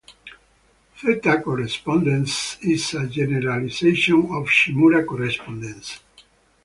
Theta correspondence is a generalisation of Shimura correspondence.